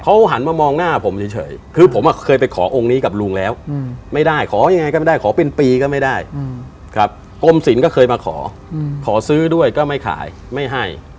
เขาหันมามองหน้าผมเฉยคือผมเคยไปขอองค์นี้กับลุงแล้วไม่ได้ขอยังไงก็ไม่ได้ขอเป็นปีก็ไม่ได้ครับกรมศิลป์ก็เคยมาขอขอซื้อด้วยก็ไม่ขายไม่ให้